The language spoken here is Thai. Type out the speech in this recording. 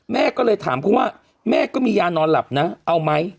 แม่ก็เลยถามเขาว่าแม่ก็มียานอนหลับนะเอาไหม